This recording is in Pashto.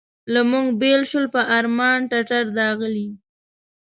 له موږ بېل شول په ارمان ټټر داغلي.